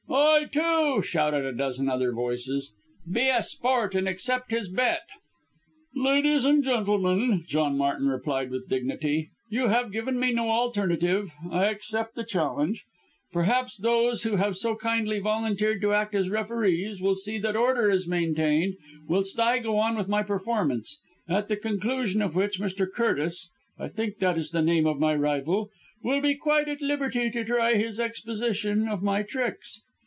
"I too!" shouted a dozen other voices. "Be a sport and accept his bet!" "Ladies and gentlemen," John Martin replied with dignity, "you have given me no alternative; I accept the challenge. Perhaps those who have so kindly volunteered to act as referees will see that order is maintained whilst I go on with my performance, at the conclusion of which Mr. Curtis I think that is the name of my rival will be quite at liberty to try his exposition of my tricks."